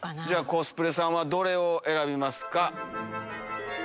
コスプレさんはどれを選びますか？